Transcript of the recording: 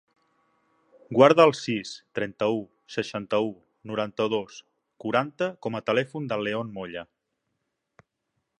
Guarda el sis, trenta-u, seixanta-u, noranta-dos, quaranta com a telèfon del León Molla.